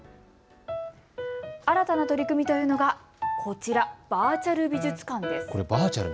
新たな取り組みというのがこちら、バーチャル美術館です。